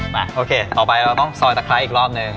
โอเคต่อไปเราต้องซอยตะไคร้อีกรอบหนึ่ง